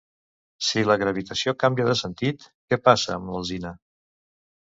Si la gravitació canvia de sentit, què passa amb l'alzina?